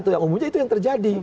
yang umumnya itu yang terjadi